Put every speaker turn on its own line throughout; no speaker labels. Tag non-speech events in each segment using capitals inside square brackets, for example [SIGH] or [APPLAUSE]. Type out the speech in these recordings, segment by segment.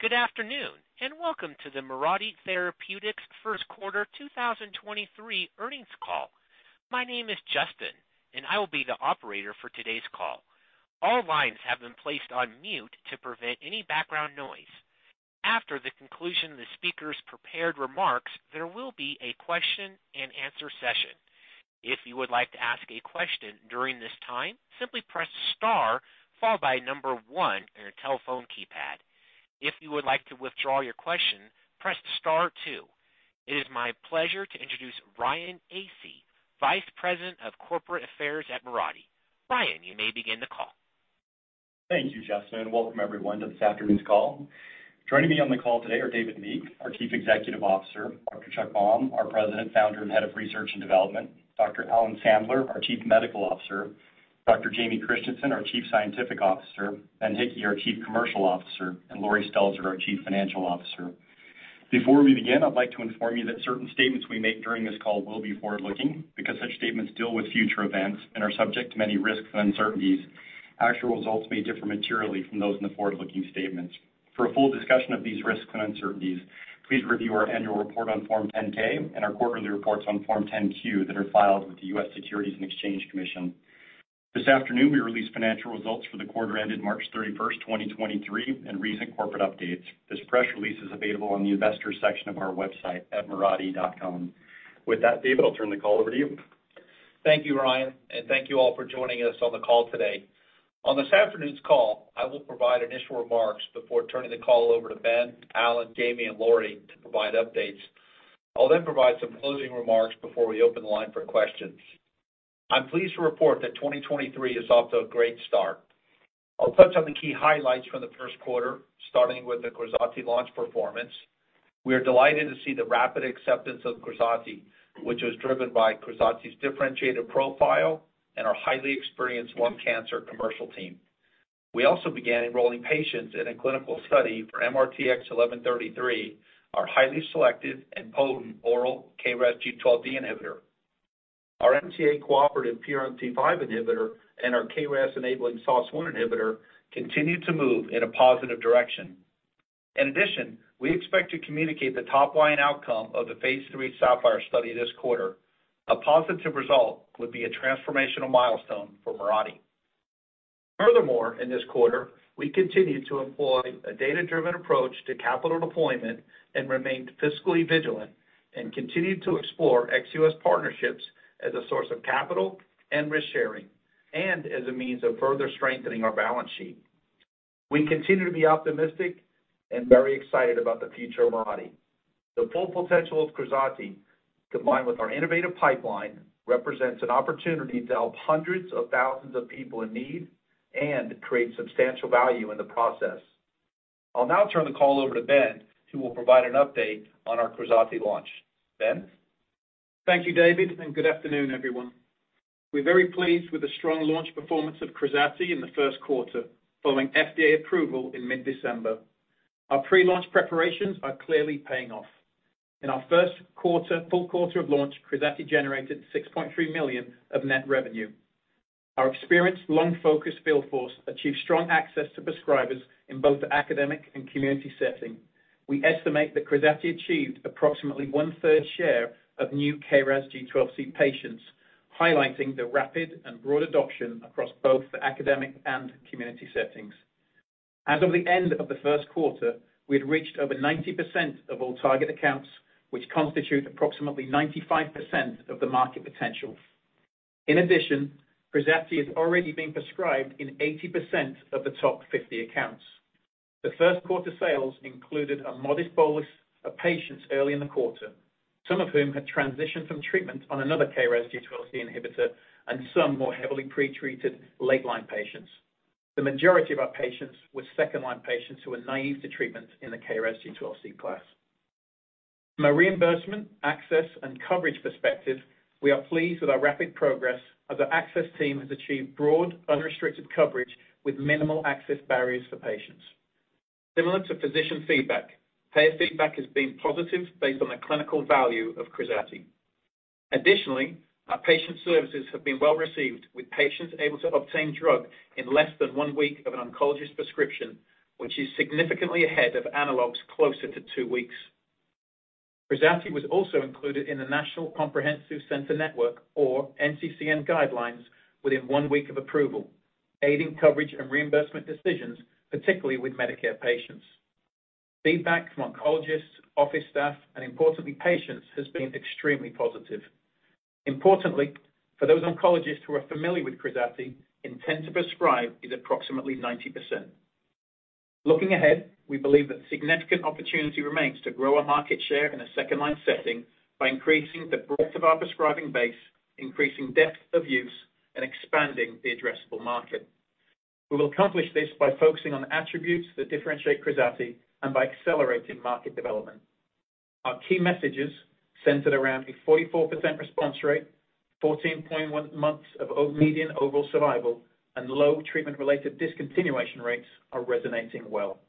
Good afternoon, and welcome to the Mirati Therapeutics first quarter 2023 earnings call. My name is Justin and I will be the operator for today's call. All lines have been placed on mute to prevent any background noise. After the conclusion of the speaker's prepared remarks, there will be a question and answer session. If you would like to ask a question during this time, simply press star followed by one on your telephone keypad. If you would like to withdraw your question, press star two. It is my pleasure to introduce Ryan Asay, Vice President of Corporate Affairs at Mirati. Ryan, you may begin the call.
Thank you, Justin. Welcome everyone to this afternoon's call. Joining me on the call today are David Meek, our Chief Executive Officer, Dr. Chuck Baum, our President, Founder, and Head of Research and Development, Dr. Alan Sandler, our Chief Medical Officer, Dr. Jamie Christensen, our Chief Scientific Officer, Ben Hickey, our Chief Commercial Officer, and Laurie Stelzer, our Chief Financial Officer. Before we begin, I'd like to inform you that certain statements we make during this call will be forward-looking. Because such statements deal with future events and are subject to many risks and uncertainties, actual results may differ materially from those in the forward-looking statements. For a full discussion of these risks and uncertainties, please review our annual report on Form 10-K and our quarterly reports on Form 10-Q that are filed with the US Securities and Exchange Commission. This afternoon, we released financial results for the quarter ended March 31st, 2023 and recent corporate updates. This press release is available on the investors section of our website at mirati.com. With that, David, I'll turn the call over to you.
Thank you, Ryan. Thank you all for joining us on the call today. On this afternoon's call, I will provide initial remarks before turning the call over to Ben, Alan, Jamie, and Laurie to provide updates. I'll provide some closing remarks before we open the line for questions. I'm pleased to report that 2023 is off to a great start. I'll touch on the key highlights from the first quarter, starting with the KRAZATI launch performance. We are delighted to see the rapid acceptance of KRAZATI, which was driven by KRAZATI's differentiated profile and our highly experienced lung cancer commercial team. We also began enrolling patients in a clinical study for MRTX1133, our highly selective and potent oral KRAS G12D inhibitor. Our MTA-cooperative PRMT5 inhibitor and our KRAS-enabling SOS1 inhibitor continued to move in a positive direction. In addition, we expect to communicate the top-line outcome of the phase III SAPPHIRE study this quarter. A positive result would be a transformational milestone for Mirati. In this quarter, we continued to employ a data-driven approach to capital deployment and remained fiscally vigilant and continued to explore ex-U.S. partnerships as a source of capital and risk-sharing, and as a means of further strengthening our balance sheet. We continue to be optimistic and very excited about the future of Mirati. The full potential of KRAZATI, combined with our innovative pipeline, represents an opportunity to help hundreds of thousands of people in need and create substantial value in the process. I'll now turn the call over to Ben, who will provide an update on our KRAZATI launch. Ben?
Thank you, David. Good afternoon, everyone. We're very pleased with the strong launch performance of KRAZATI in the first quarter, following FDA approval in mid-December. Our pre-launch preparations are clearly paying off. In our first quarter, full quarter of launch, KRAZATI generated $6.3 million of net revenue. Our experienced lung-focused field force achieved strong access to prescribers in both academic and community setting. We estimate that KRAZATI achieved approximately 1/3 share of new KRAS G12C patients, highlighting the rapid and broad adoption across both the academic and community settings. As of the end of the first quarter, we had reached over 90% of all target accounts, which constitute approximately 95% of the market potential. KRAZATI is already being prescribed in 80% of the top 50 accounts. The first quarter sales included a modest bolus of patients early in the quarter, some of whom had transitioned from treatment on another KRAS G12C inhibitor, and some more heavily pre-treated late-line patients. The majority of our patients were second-line patients who were naive to treatment in the KRAS G12C class. From a reimbursement, access, and coverage perspective, we are pleased with our rapid progress as our access team has achieved broad unrestricted coverage with minimal access barriers for patients. Similar to physician feedback, payer feedback has been positive based on the clinical value of KRAZATI. Additionally, our patient services have been well-received, with patients able to obtain drug in less than one week of an oncologist prescription, which is significantly ahead of analogs closer to two weeks. KRAZATI was also included in the National Comprehensive Cancer Network, or NCCN guidelines within one week of approval, aiding coverage and reimbursement decisions, particularly with Medicare patients. Feedback from oncologists, office staff, and importantly, patients has been extremely positive. Importantly, for those oncologists who are familiar with KRAZATI, intent to prescribe is approximately 90%. Looking ahead, we believe that significant opportunity remains to grow our market share in a second-line setting by increasing the breadth of our prescribing base, increasing depth of use, and expanding the addressable market. We will accomplish this by focusing on attributes that differentiate KRAZATI and by accelerating market development. Our key messages centered around a 44% response rate, 14.1 months of median overall survival, and low treatment-related discontinuation rates are resonating well.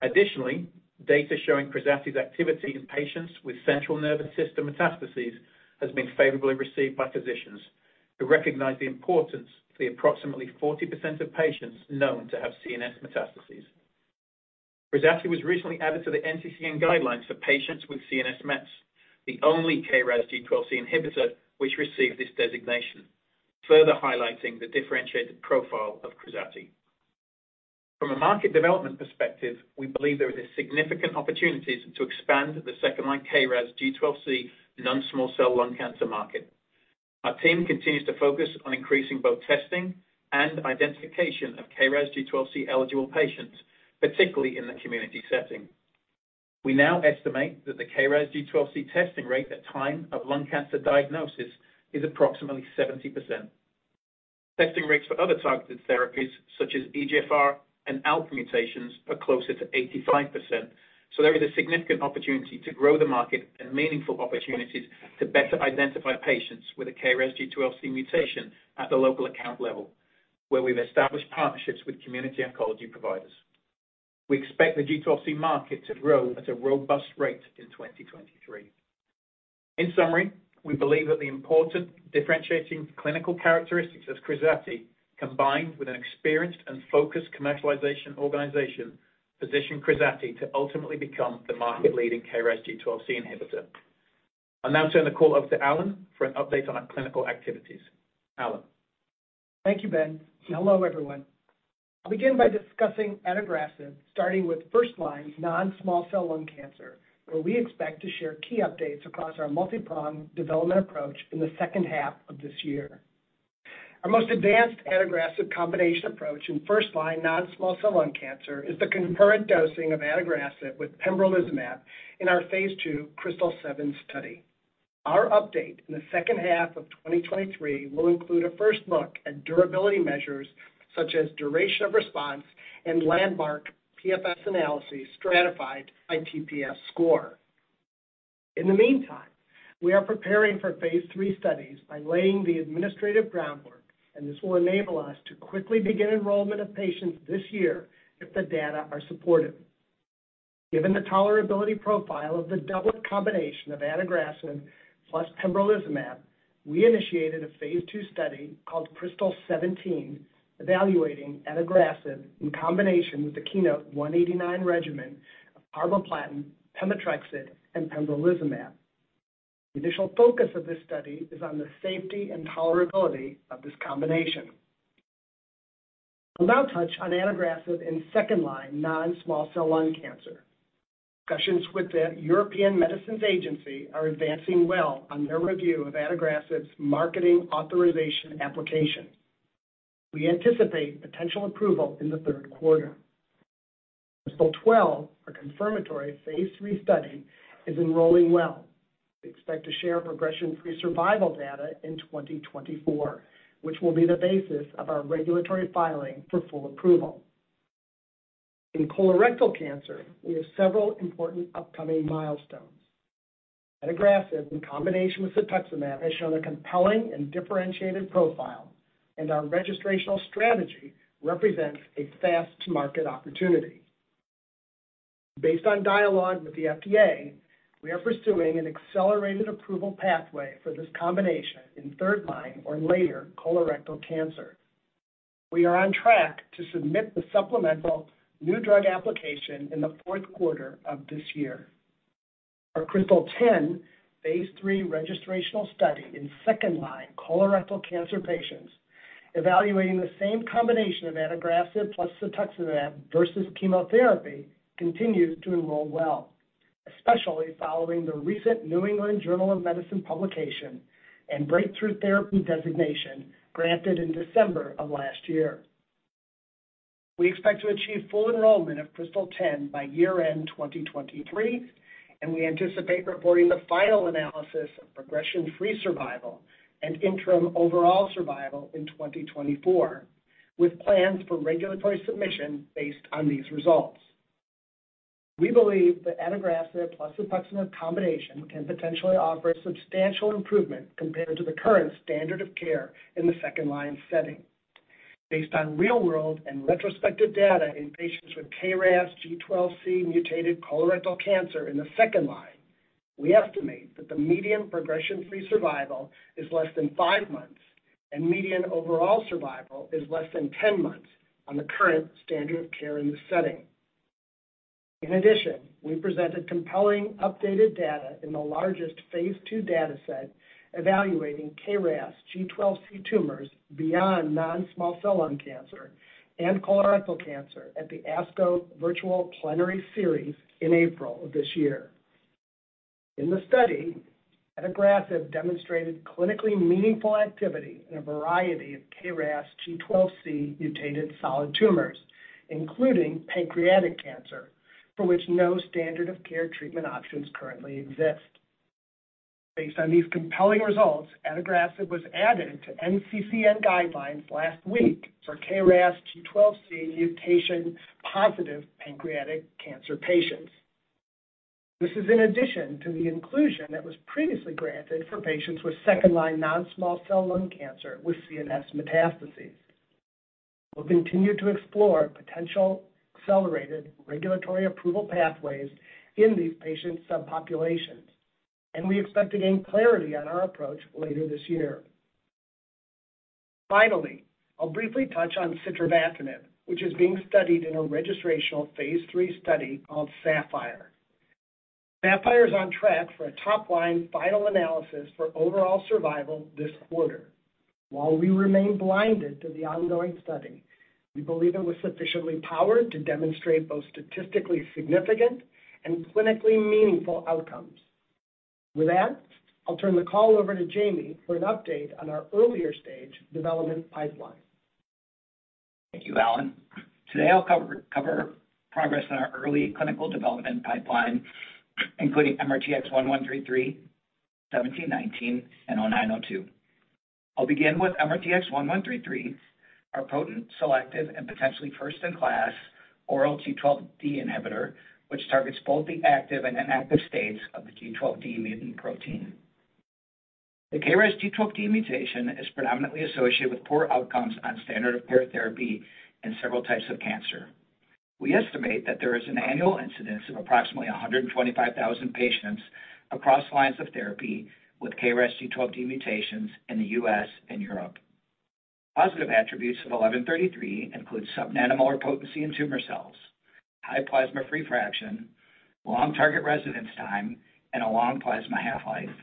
Additionally, data showing KRAZATI's activity in patients with central nervous system metastases has been favorably received by physicians. We recognize the importance of the approximately 40% of patients known to have CNS metastases. KRAZATI was recently added to the NCCN guidelines for patients with CNS Mets, the only KRAS G12C inhibitor which received this designation, further highlighting the differentiated profile of KRAZATI. From a market development perspective, we believe there is a significant opportunities to expand the second-line KRAS G12C non-small cell lung cancer market. Our team continues to focus on increasing both testing and identification of KRAS G12C eligible patients, particularly in the community setting. We now estimate that the KRAS G12C testing rate at time of lung cancer diagnosis is approximately 70%. Testing rates for other targeted therapies such as EGFR and ALK mutations are closer to 85%. There is a significant opportunity to grow the market and meaningful opportunities to better identify patients with a KRAS G12C mutation at the local account level, where we've established partnerships with community oncology providers. We expect the G12C market to grow at a robust rate in 2023. In summary, we believe that the important differentiating clinical characteristics of KRAZATI, combined with an experienced and focused commercialization organization, position KRAZATI to ultimately become the market-leading KRAS G12C inhibitor. I'll now turn the call over to Alan for an update on our clinical activities. Alan.
Thank you, Ben. Hello, everyone. I'll begin by discussing adagrasib, starting with first-line non-small cell lung cancer, where we expect to share key updates across our multi-pronged development approach in the second half of this year. Our most advanced adagrasib combination approach in first-line non-small cell lung cancer is the concurrent dosing of adagrasib with pembrolizumab in our phase II KRYSTAL-7 study. Our update in the second half of 2023 will include a first look at durability measures such as duration of response and landmark PFS analyses stratified by TPS score. In the meantime, we are preparing for phase III studies by laying the administrative groundwork, and this will enable us to quickly begin enrollment of patients this year if the data are supportive. Given the tolerability profile of the doublet combination of adagrasib plus pembrolizumab, we initiated a phase II study called KRYSTAL-17 evaluating adagrasib in combination with the KEYNOTE-189 regimen of carboplatin, pemetrexed and pembrolizumab. The initial focus of this study is on the safety and tolerability of this combination. I'll now touch on adagrasib in second-line non-small cell lung cancer. Discussions with the European Medicines Agency are advancing well on their review of adagrasib's marketing authorization application. We anticipate potential approval in the third quarter. KRYSTAL-12, our confirmatory phase III study, is enrolling well. We expect to share progression-free survival data in 2024, which will be the basis of our regulatory filing for full approval. In colorectal cancer, we have several important upcoming milestones. Adagrasib in combination with cetuximab has shown a compelling and differentiated profile, and our registrational strategy represents a fast-to-market opportunity. Based on dialogue with the FDA, we are pursuing an accelerated approval pathway for this combination in third-line or later colorectal cancer. We are on track to submit the supplemental new drug application in the fourth quarter of this year. Our KRYSTAL-10 phase III registrational study in second-line colorectal cancer patients evaluating the same combination of adagrasib plus cetuximab versus chemotherapy continues to enroll well, especially following the recent New England Journal of Medicine publication and Breakthrough Therapy Designation granted in December of last year. We expect to achieve full enrollment of KRYSTAL-10 by year-end 2023, and we anticipate reporting the final analysis of progression-free survival and interim overall survival in 2024, with plans for regulatory submission based on these results. We believe that adagrasib plus cetuximab combination can potentially offer substantial improvement compared to the current standard of care in the second-line setting. Based on real-world and retrospective data in patients with KRAS G12C mutated colorectal cancer in the second line, we estimate that the median progression-free survival is less than five months, and median overall survival is less than 10 months on the current standard of care in this setting. In addition, we presented compelling updated data in the largest phase II data set evaluating KRAS G12C tumors beyond non-small cell lung cancer and colorectal cancer at the ASCO Virtual Plenary Series in April of this year. In the study, adagrasib demonstrated clinically meaningful activity in a variety of KRAS G12C mutated solid tumors, including pancreatic cancer, for which no standard of care treatment options currently exist. Based on these compelling results, adagrasib was added to NCCN guidelines last week for KRAS G12C mutation positive pancreatic cancer patients. This is in addition to the inclusion that was previously granted for patients with second-line non-small cell lung cancer with CNS metastases. We'll continue to explore potential accelerated regulatory approval pathways in these patient subpopulations, and we expect to gain clarity on our approach later this year. Finally, I'll briefly touch on sitravatinib, which is being studied in a registrational phase III study called SAPPHIRE. SAPPHIRE is on track for a top-line final analysis for overall survival this quarter. While we remain blinded to the ongoing study, we believe it was sufficiently powered to demonstrate both statistically significant and clinically meaningful outcomes. With that, I'll turn the call over to Jamie for an update on our earlier stage development pipeline.
Thank you, Alan. Today, I'll cover progress in our early clinical development pipeline, including MRTX1133, MRTX1719, and MRTX0902. I'll begin with MRTX1133, our potent, selective, and potentially first-in-class oral KRAS G12D inhibitor, which targets both the active and inactive states of the KRAS G12D mutant protein. The KRAS G12D mutation is predominantly associated with poor outcomes on standard of care therapy in several types of cancer. We estimate that there is an annual incidence of approximately 125,000 patients across lines of therapy with KRAS G12D mutations in the U.S. and Europe. Positive attributes of MRTX1133 include sub-nanomolar potency in tumor cells, high plasma-free fraction, long target residence time, and a long plasma half-life.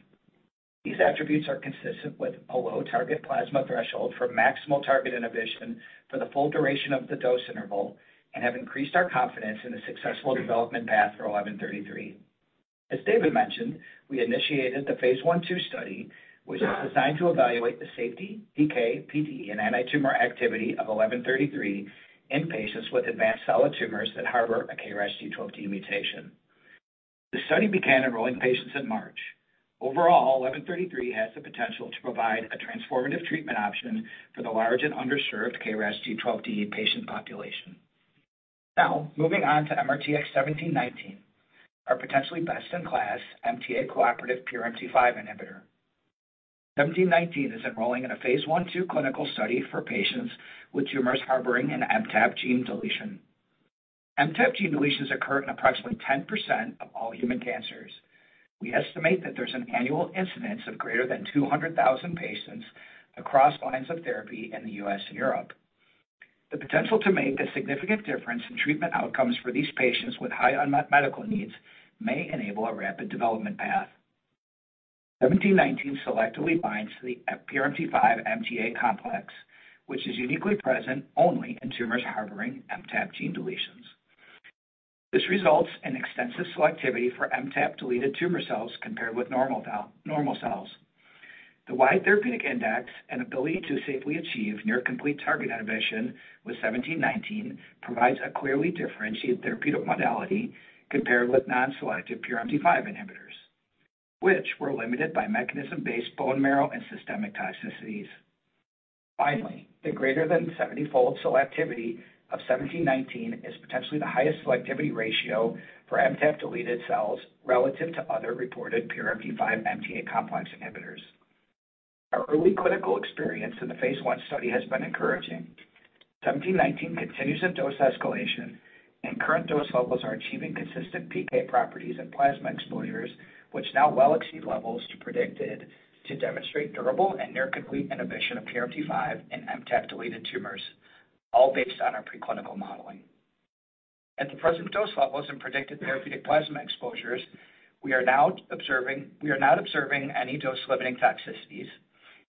These attributes are consistent with a low target plasma threshold for maximal target inhibition for the full duration of the dose interval and have increased our confidence in a successful development path for 1133. As David mentioned, we initiated the phase I/II study, which is designed to evaluate the safety, PK, PD, and antitumor activity of 1133 in patients with advanced solid tumors that harbor a KRAS G12D mutation. The study began enrolling patients in March. Overall, 1133 has the potential to provide a transformative treatment option for the large and underserved KRAS G12D patient population. Moving on to MRTX1719, our potentially best-in-class MTA-cooperative PRMT5 inhibitor. MRTX1719 is enrolling in a phase I/II clinical study for patients with tumors harboring an MTAP gene deletion. MTAP gene deletions occur in approximately 10% of all human cancers. We estimate that there's an annual incidence of greater than 200,000 patients across lines of therapy in the U.S. and Europe. The potential to make a significant difference in treatment outcomes for these patients with high unmet medical needs may enable a rapid development path. MRTX1719 selectively binds to the PRMT5 MTA complex, which is uniquely present only in tumors harboring MTAP gene deletions. This results in extensive selectivity for MTAP-deleted tumor cells compared with normal cells. The wide therapeutic index and ability to safely achieve near complete target inhibition with MRTX1719 provides a clearly differentiated therapeutic modality compared with non-selective PRMT5 inhibitors, which were limited by mechanism-based bone marrow and systemic toxicities. Finally, the greater than 70-fold selectivity of MRTX1719 is potentially the highest selectivity ratio for MTAP-deleted cells relative to other reported PRMT5 MTA complex inhibitors. Our early clinical experience in the phase I study has been encouraging. MRTX1719 continues in dose escalation, and current dose levels are achieving consistent PK properties and plasma exposures, which now well exceed levels predicted to demonstrate durable and near-complete inhibition of PRMT5 in MTAP-deleted tumors, all based on our preclinical modeling. At the present dose levels and predicted therapeutic plasma exposures, we are not observing any dose-limiting toxicities,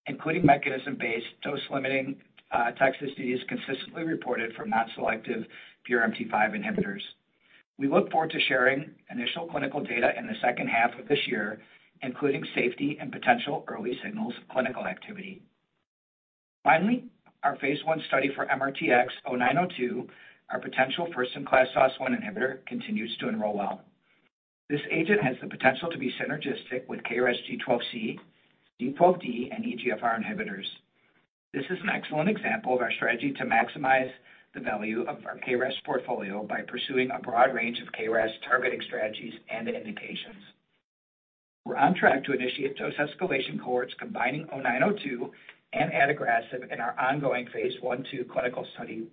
including mechanism-based dose-limiting toxicities consistently reported from non-selective PRMT5 inhibitors. We look forward to sharing initial clinical data in the second half of this year, including safety and potential early signals of clinical activity. Finally, our phase I study for MRTX0902, our potential first-in-class SOS1 inhibitor, continues to enroll well. This agent has the potential to be synergistic with KRASG12C, G12D, and EGFR inhibitors. This is an excellent example of our strategy to maximize the value of our KRAS portfolio by pursuing a broad range of KRAS targeting strategies and indications. We're on track to initiate dose escalation cohorts combining MRTX0902 and adagrasib in our ongoing phase I/II clinical study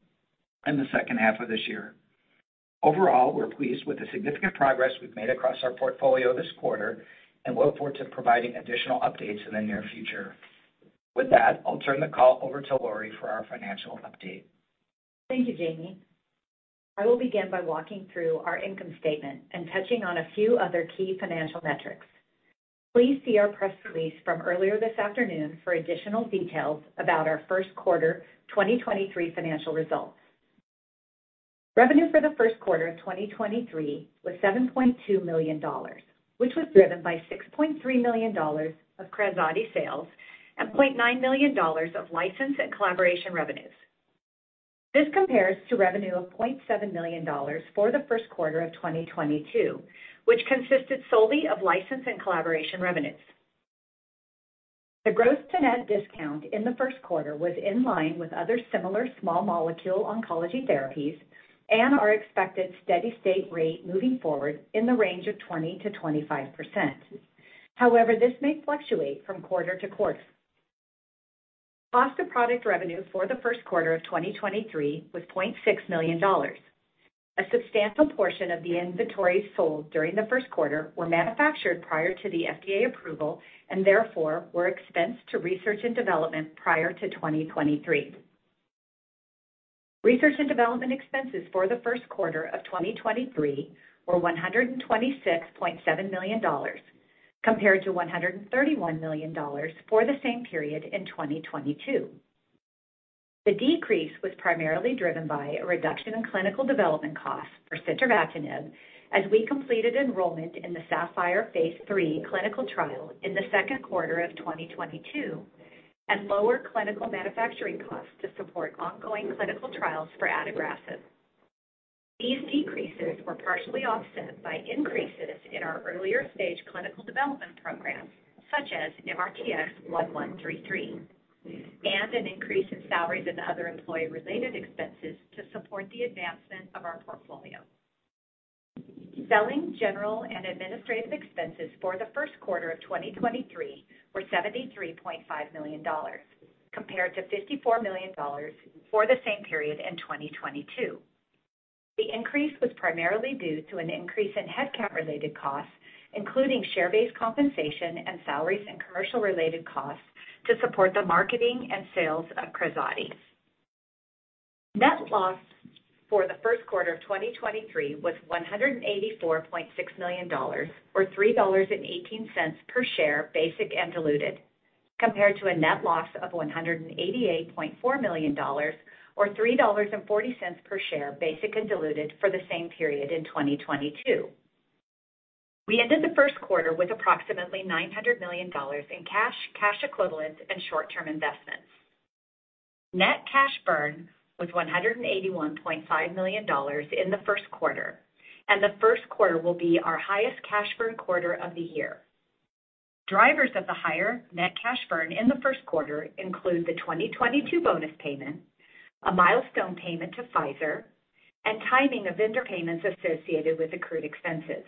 in the second half of this year. Overall, we're pleased with the significant progress we've made across our portfolio this quarter and look forward to providing additional updates in the near future. With that, I'll turn the call over to Laurie for our financial update.
Thank you, Jamie. I will begin by walking through our income statement and touching on a few other key financial metrics. Please see our press release from earlier this afternoon for additional details about our first quarter 2023 financial results. Revenue for the first quarter of 2023 was $7.2 million, which was driven by $6.3 million of KRAZATI sales and $0.9 million of license and collaboration revenues. This compares to revenue of $0.7 million for the first quarter of 2022, which consisted solely of license and collaboration revenues. The gross to net discount in the first quarter was in line with other similar small molecule oncology therapies and our expected steady state rate moving forward in the range of 20%-25%. However, this may fluctuate from quarter to quarter. Cost of product revenue for the first quarter of 2023 was $0.6 million. A substantial portion of the inventory sold during the first quarter were manufactured prior to the FDA approval and therefore were expensed to research and development prior to 2023. Research and development expenses for the first quarter of 2023 were $126.7 million compared to $131 million for the same period in 2022. The decrease was primarily driven by a reduction in clinical development costs for sitravatinib as we completed enrollment in the SAPPHIRE phase III clinical trial in the second quarter of 2022 and lower clinical manufacturing costs to support ongoing clinical trials for adagrasib. These decreases were partially offset by increases in our earlier-stage clinical development programs, such as MRTX1133, and an increase in salaries and other employee-related expenses to support the advancement of our portfolio. Selling, general, and administrative expenses for the first quarter of 2023 were $73.5 million compared to $54 million for the same period in 2022. The increase was primarily due to an increase in headcount-related costs, including share-based compensation and salaries and commercial-related costs to support the marketing and sales of KRAZATI. Net loss for the first quarter of 2023 was $184.6 million or $3.18 per share, basic and diluted, compared to a net loss of $188.4 million or $3.40 per share, basic and diluted, for the same period in 2022. We ended the first quarter with approximately $900 million in cash equivalents, and short-term investments. Net cash burn was $181.5 million in the first quarter. The first quarter will be our highest cash burn quarter of the year. Drivers of the higher net cash burn in the first quarter include the 2022 bonus payment, a milestone payment to Pfizer, and timing of vendor payments associated with accrued expenses.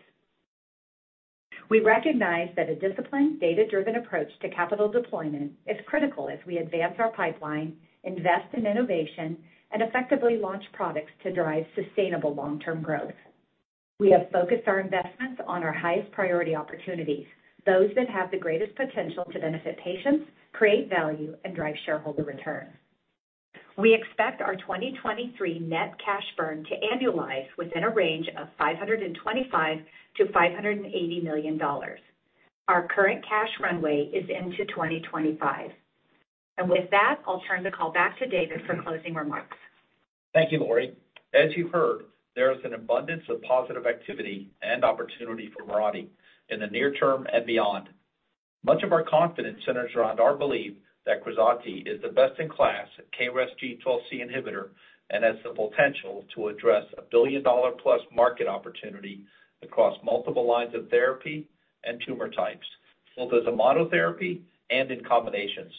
We recognize that a disciplined, data-driven approach to capital deployment is critical as we advance our pipeline, invest in innovation, and effectively launch products to drive sustainable long-term growth. We have focused our investments on our highest priority opportunities, those that have the greatest potential to benefit patients, create value, and drive shareholder returns. We expect our 2023 net cash burn to annualize within a range of $525 million-$580 million. Our current cash runway is into 2025. With that, I'll turn the call back to David for closing remarks.
Thank you, Laurie. As you heard, there is an abundance of positive activity and opportunity for Mirati in the near term and beyond. Much of our confidence centers around our belief that KRAZATI is the best-in-class KRAS G12C inhibitor and has the potential to address a billion-dollar-plus market opportunity across multiple lines of therapy and tumor types, both as a monotherapy and in combinations.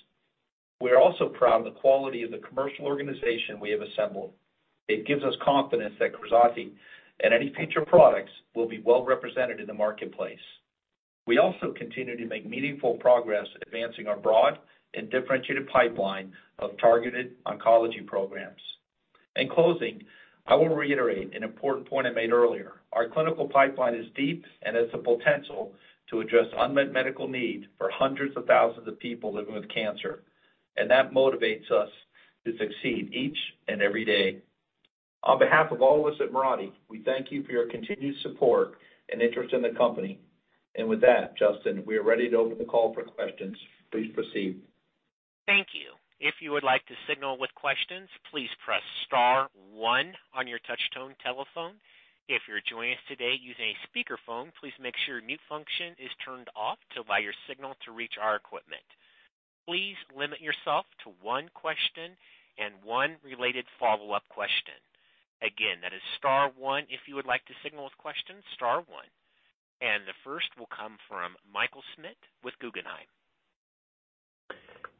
We are also proud of the quality of the commercial organization we have assembled. It gives us confidence that KRAZATI and any future products will be well represented in the marketplace. We also continue to make meaningful progress advancing our broad and differentiated pipeline of targeted oncology programs. In closing, I will reiterate an important point I made earlier. Our clinical pipeline is deep and has the potential to address unmet medical need for hundreds of thousands of people living with cancer, and that motivates us to succeed each and every day. On behalf of all of us at Mirati, we thank you for your continued support and interest in the company. With that, Justin, we are ready to open the call for questions. Please proceed.
Thank you. If you would like to signal with questions, please press star one on your touch-tone telephone. If you're joining us today using a speakerphone, please make sure mute function is turned off to allow your signal to reach our equipment. Please limit yourself to one question and one related follow-up question. Again, that is star one. If you would like to signal with questions, star one. The first will come from Michael Schmidt with Guggenheim.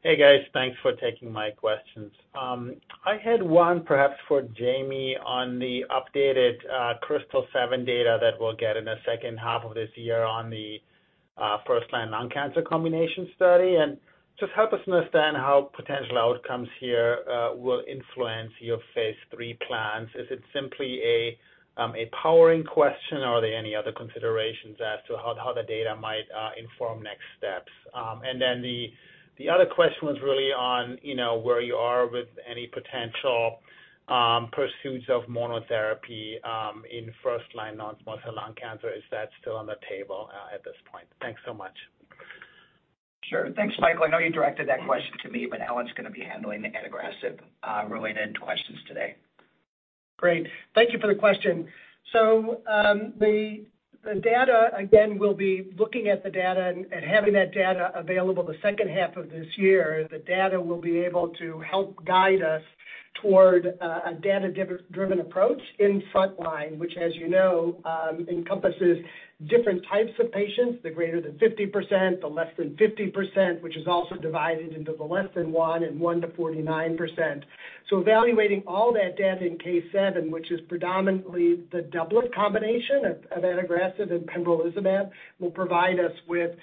Hey, guys. Thanks for taking my questions. I had one perhaps for Jamie on the updated KRYSTAL-7 data that we'll get in the second half of this year on the first-line lung cancer combination study. Just help us understand how potential outcomes here will influence your phase III plans. Is it simply a powering question, or are there any other considerations as to how the data might inform next steps? Then the other question was really on, you know, where you are with any potential pursuits of monotherapy in first-line non-small cell lung cancer. Is that still on the table at this point? Thanks so much.
Sure. Thanks, Michael. I know you directed that question to me, but Alan's gonna be handling the adagrasib related questions today.
Great. Thank you for the question. The data, again, we'll be looking at the data and having that data available the second half of this year. The data will be able to help guide us toward a data-driven approach in front line, which as you know, encompasses different types of patients, the greater than 50%, the less than 50%, which is also divided into the less than 1% and 1%-49%. Evaluating all that data in KRYSTAL-7, which is predominantly the doublet combination of adagrasib and pembrolizumab, will provide us with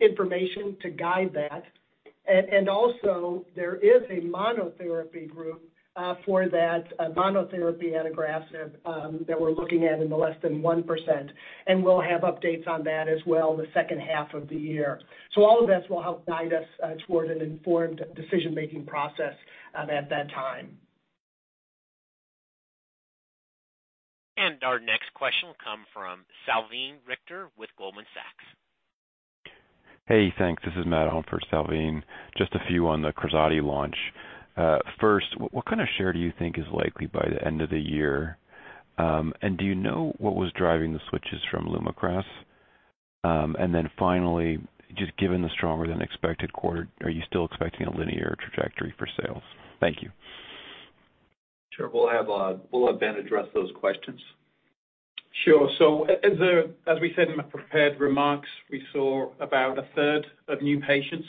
information to guide that. Also there is a monotherapy group for that monotherapy adagrasib that we're looking at in the less than 1%, and we'll have updates on that as well in the second half of the year. All of this will help guide us toward an informed decision-making process at that time.
Our next question will come from Salveen Richter with Goldman Sachs.
Hey, thanks. This is [AUDIO DISTORTION] on for Salveen. Just a few on the KRAZATI launch. First, what kind of share do you think is likely by the end of the year? Do you know what was driving the switches from Lumakras? Then finally, just given the stronger than expected quarter, are you still expecting a linear trajectory for sales? Thank you.
Sure. We'll have, we'll have Ben address those questions.
As we said in the prepared remarks, we saw about 1/3 of new patients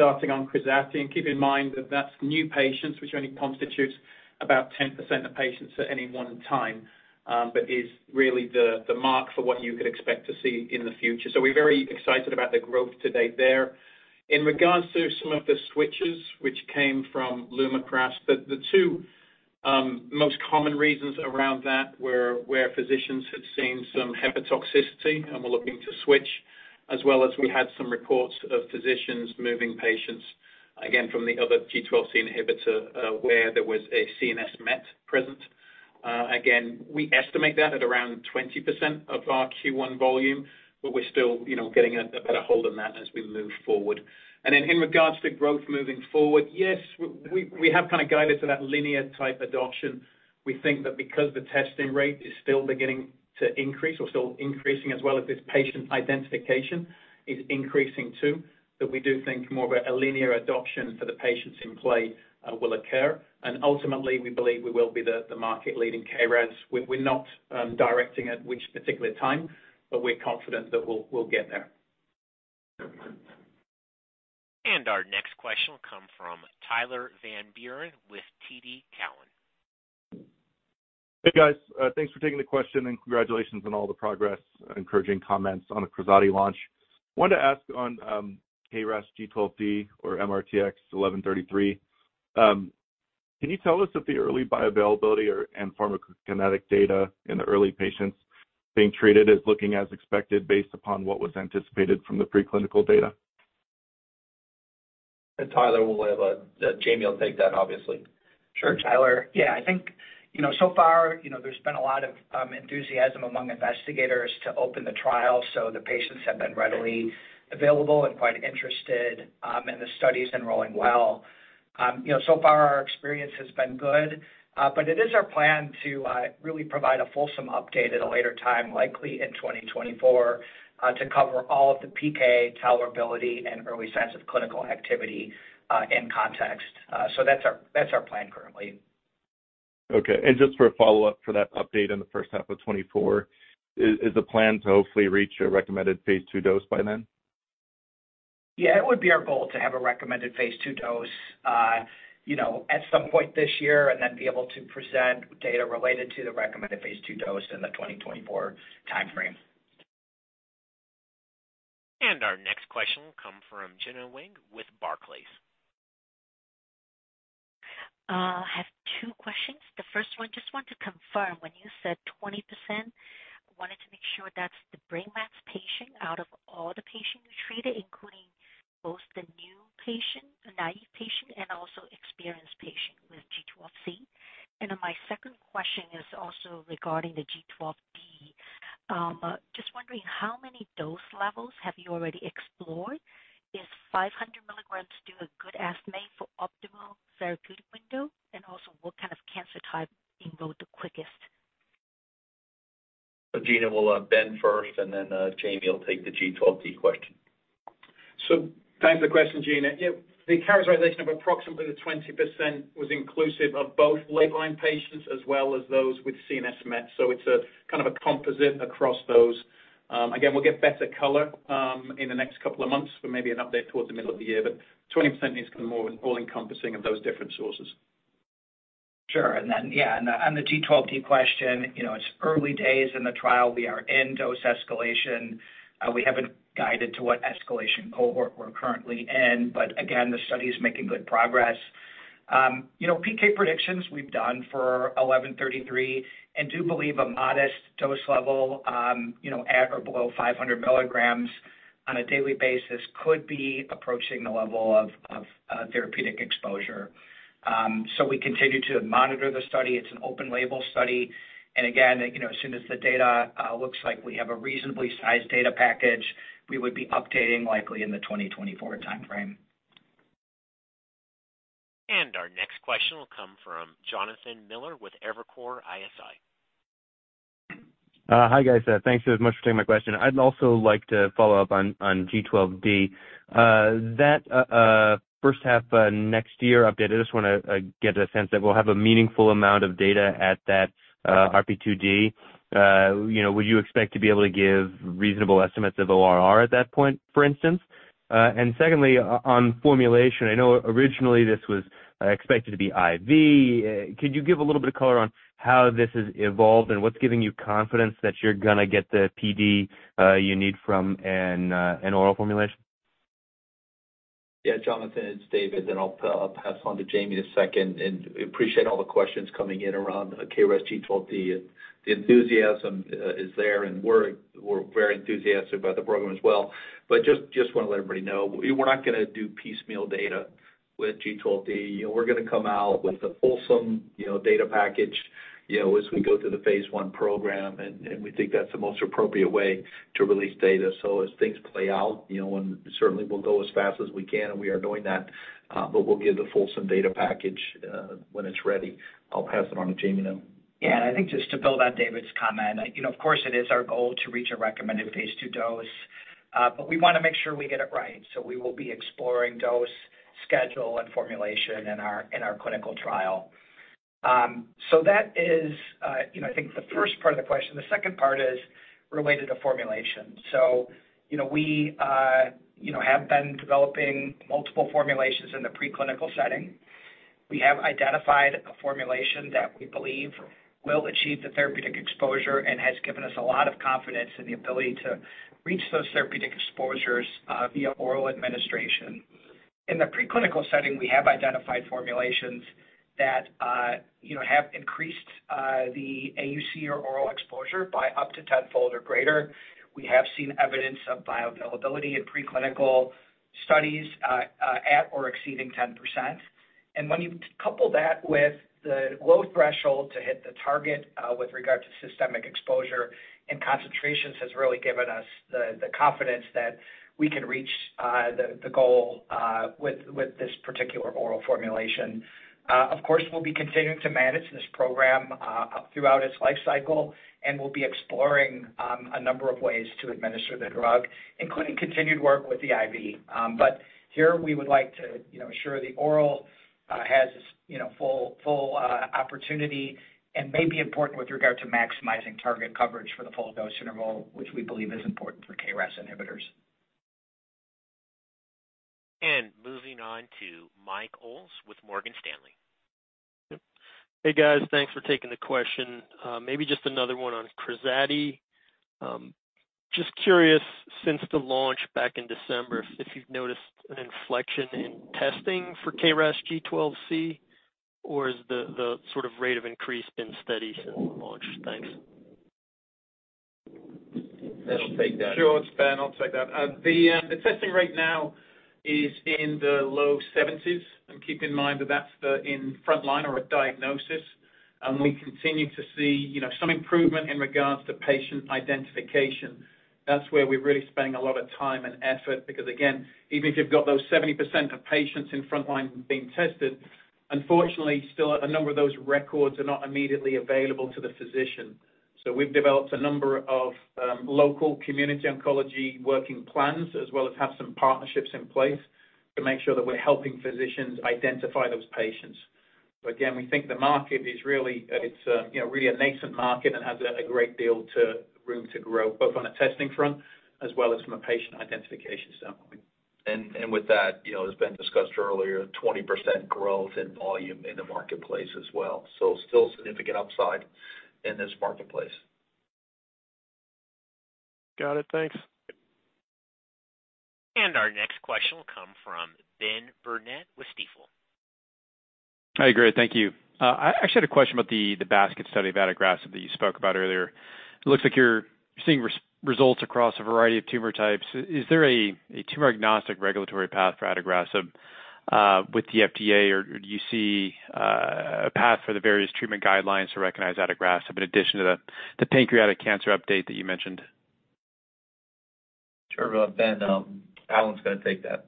starting on KRAZATI. Keep in mind that that's new patients, which only constitutes about 10% of patients at any one time, but is really the mark for what you could expect to see in the future. We're very excited about the growth to date there. In regards to some of the switches which came from Lumakras, the two most common reasons around that were where physicians had seen some hepatotoxicity and were looking to switch, as well as we had some reports of physicians moving patients, again, from the other G12C inhibitor, where there was a CNS MET present. Again, we estimate that at around 20% of our Q1 volume, but we're still, you know, getting a better hold on that as we move forward. In regards to growth moving forward, yes, we have kind of guided to that linear type adoption. We think that because the testing rate is still beginning to increase or still increasing, as well as this patient identification is increasing too, that we do think more of a linear adoption for the patients in play will occur. Ultimately, we believe we will be the market leading KRAS. We're not directing at which particular time, but we're confident that we'll get there.
Our next question will come from Tyler Van Buren with TD Cowen.
Hey, guys. Thanks for taking the question, congratulations on all the progress. Encouraging comments on the KRAZATI launch. Wanted to ask on KRAS G12D or MRTX1133. Can you tell us if the early bioavailability or pharmacokinetic data in the early patients being treated is looking as expected based upon what was anticipated from the preclinical data?
Tyler, we'll have Jamie'll take that, obviously.
Sure, Tyler. I think, you know, so far, you know, there's been a lot of enthusiasm among investigators to open the trial, so the patients have been readily available and quite interested, and the study's enrolling well. You know, so far our experience has been good, but it is our plan to really provide a fulsome update at a later time, likely in 2024, to cover all of the PK tolerability and early signs of clinical activity in context. That's our plan currently.
Okay. just for a follow-up for that update in the first half of 2024, is the plan to hopefully reach a recommended phase II dose by then?
Yeah, it would be our goal to have a recommended phase II dose, you know, at some point this year and then be able to present data related to the recommended phase II dose in the 2024 timeframe.
Our next question will come from Gena Wang with Barclays.
I have two questions. The first one, just want to confirm when you said 20%, wanted to make sure that's the brain mets patient out of all the patients you treated, including both the new patient, the naive patient, and also experienced patient with G12C. My second question is also regarding the G12D. Just wondering how many dose levels have you already explored. Is 500 milligrams do a good estimate for optimal therapeutic window? Also, what kind of cancer type enrolled the quickest?
Gina, we'll have Ben first, and then, Jamie'll take the G12D question.
Thanks for the question, Gena. Yeah, the characterization of approximately the 20% was inclusive of both label line patients as well as those with CNS mets. It's a kind of a composite across those. Again, we'll get better color in the next couple of months for maybe an update towards the middle of the year, but 20% is kind of more all-encompassing of those different sources.
Sure. On the G12D question, you know, it's early days in the trial. We are in dose escalation. We haven't guided to what escalation cohort we're currently in, but again, the study is making good progress. You know, PK predictions we've done for MRTX1133 and do believe a modest dose level, you know, at or below 500 milligrams on a daily basis could be approaching the level of therapeutic exposure. So we continue to monitor the study. It's an open label study. Again, you know, as soon as the data looks like we have a reasonably sized data package, we would be updating likely in the 2024 timeframe.
Our next question will come from Jonathan Miller with Evercore ISI.
Hi, guys. Thanks so much for taking my question. I'd also like to follow up on G12D. That first half next year update, I just wanna get a sense that we'll have a meaningful amount of data at that RP2D. You know, would you expect to be able to give reasonable estimates of ORR at that point, for instance? Secondly, on formulation, I know originally this was expected to be IV. Could you give a little bit of color on how this has evolved and what's giving you confidence that you're gonna get the PD you need from an oral formulation?
Yeah, Jonathan, it's David, and I'll pass on to Jamie in a second, and appreciate all the questions coming in around KRAS G12D. The enthusiasm is there, and we're very enthusiastic about the program as well. Just wanna let everybody know, we're not gonna do piecemeal data with G12D. You know, we're gonna come out with a fulsome, you know, data package, you know, as we go through the phase I program and we think that's the most appropriate way to release data. As things play out, you know, and certainly we'll go as fast as we can, and we are doing that, but we'll give the fulsome data package when it's ready. I'll pass it on to Jamie now.
Yeah. I think just to build on David's comment, you know, of course it is our goal to reach a recommended phase II dose, but we wanna make sure we get it right, so we will be exploring dose, schedule, and formulation in our clinical trial. That is, you know, I think the first part of the question. The second part is related to formulation. You know, we, you know, have been developing multiple formulations in the preclinical setting. We have identified a formulation that we believe will achieve the therapeutic exposure and has given us a lot of confidence in the ability to reach those therapeutic exposures via oral administration. In the preclinical setting, we have identified formulations that, you know, have increased the AUC or oral exposure by up to 10-fold or greater. We have seen evidence of bioavailability in preclinical studies, at or exceeding 10%. When you couple that with the low threshold to hit the target, with regard to systemic exposure and concentrations, has really given us the confidence that we can reach the goal with this particular oral formulation. Of course, we'll be continuing to manage this program throughout its life cycle, and we'll be exploring a number of ways to administer the drug, including continued work with the IV. Here we would like to, you know, ensure the oral has, you know, full opportunity and may be important with regard to maximizing target coverage for the full dose interval, which we believe is important for KRAS inhibitors.
Moving on to Mike Ulz with Morgan Stanley.
Yep. Hey, guys. Thanks for taking the question. Maybe just another one on KRAZATI. Just curious, since the launch back in December, if you've noticed an inflection in testing for KRAS G12C, or is the sort of rate of increase been steady since the launch? Thanks.
Ben'll take that.
Sure. It's Ben. I'll take that. The testing rate now is in the low 70s. Keep in mind that that's the in frontline or at diagnosis. We continue to see, you know, some improvement in regards to patient identification. That's where we're really spending a lot of time and effort, because again, even if you've got those 70% of patients in frontline being tested, unfortunately still a number of those records are not immediately available to the physician. We've developed a number of local community oncology working plans, as well as have some partnerships in place to make sure that we're helping physicians identify those patients. Again, we think the market is really... it's, you know, really a nascent market and has a great deal to... room to grow, both on a testing front as well as from a patient identification standpoint.
With that, you know, as Ben discussed earlier, 20% growth in volume in the marketplace as well. Still significant upside in this marketplace.
Got it. Thanks.
Our next question will come from Ben Burnett with Stifel.
Hi, great. Thank you. I actually had a question about the basket study of adagrasib that you spoke about earlier. It looks like you're seeing results across a variety of tumor types. Is there a tumor-agnostic regulatory path for adagrasib, with the FDA? Or do you see, a path for the various treatment guidelines to recognize adagrasib in addition to the pancreatic cancer update that you mentioned?
Sure, Ben. Alan's gonna take that.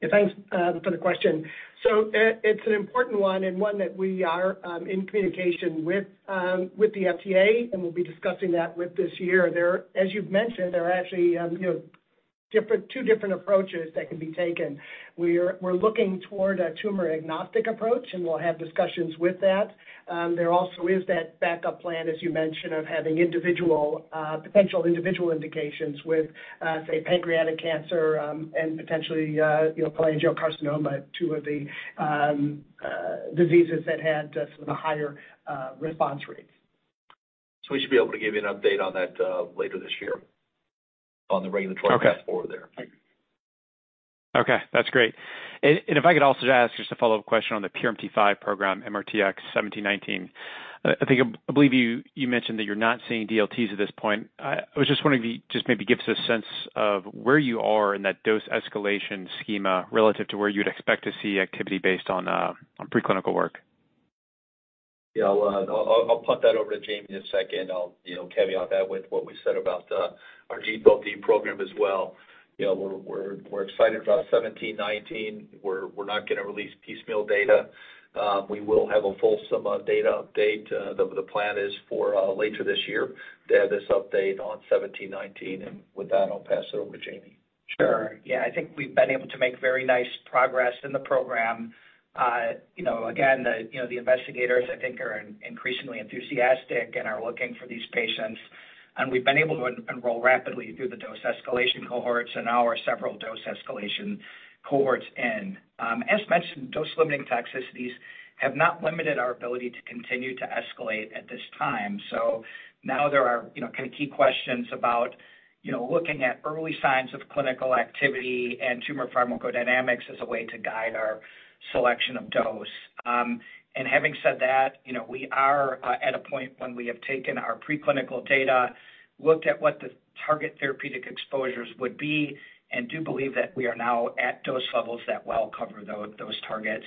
Yeah. Thanks for the question. It's an important one and one that we are in communication with the FDA, and we'll be discussing that with this year. There are as you've mentioned, there are actually, you know, different, two different approaches that can be taken. We're looking toward a tumor-agnostic approach, and we'll have discussions with that. There also is that backup plan, as you mentioned, of having individual, potential individual indications with, say, pancreatic cancer, and potentially, you know, cholangiocarcinoma, two of the diseases that had some of the higher response rates.
We should be able to give you an update on that, later this year.
Okay
path forward there.
Okay. That's great. If I could also just ask just a follow-up question on the PRMT5 program, MRTX1719. I think, I believe you mentioned that you're not seeing DLTs at this point. I was just wondering if you'd just maybe give us a sense of where you are in that dose escalation schema relative to where you'd expect to see activity based on preclinical work.
Yeah. I'll punt that over to Jamie in a second. I'll, you know, caveat that with what we said about our KRAS G12D program as well. You know, we're excited about MRTX1719. We're not gonna release piecemeal data. We will have a fulsome data update. The plan is for later this year to have this update on MRTX1719. With that, I'll pass it over to Jamie.
Sure. Yeah. I think we've been able to make very nice progress in the program. You know, again, the, you know, the investigators I think are increasingly enthusiastic and are looking for these patients, and we've been able to enroll rapidly through the dose escalation cohorts and our several dose escalation cohorts. As mentioned, dose-limiting toxicities have not limited our ability to continue to escalate at this time. Now there are, you know, kind of key questions about, you know, looking at early signs of clinical activity and tumor pharmacodynamics as a way to guide our selection of dose. Having said that, you know, we are at a point when we have taken our preclinical data, looked at what the target therapeutic exposures would be and do believe that we are now at dose levels that well cover those targets.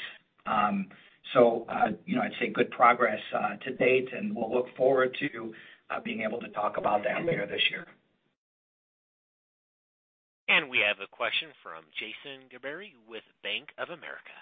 You know, I'd say good progress to date, and we'll look forward to being able to talk about that more this year.
We have a question from Jason Gerberry with Bank of America.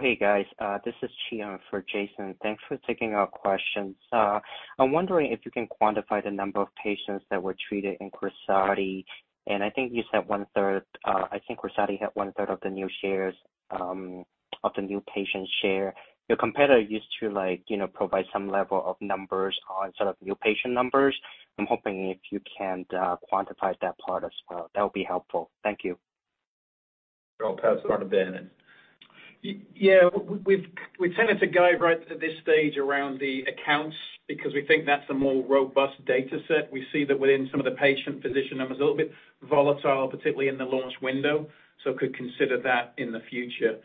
Hey, guys. This is Chi in for Jason. Thanks for taking our questions. I'm wondering if you can quantify the number of patients that were treated in KRAZATI. I think you said 1/3. I think KRAZATI had 1/3 of the new shares of the new patient share. Your competitor used to, like, you know, provide some level of numbers on sort of new patient numbers. I'm hoping if you can quantify that part as well. That would be helpful. Thank you.
I'll pass it on to Ben.
Yeah. We've tended to guide right at this stage around the accounts because we think that's a more robust data set. We see that within some of the patient physician numbers, a little bit volatile, particularly in the launch window. Could consider that in the future.